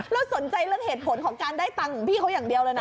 แล้วสนใจเรื่องเหตุผลของการได้ตังค์ของพี่เขาอย่างเดียวเลยนะ